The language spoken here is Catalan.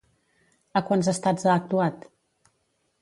A quants estats ha actuat?